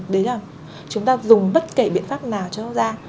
đấy là chúng ta dùng bất kỳ biện pháp nào cho da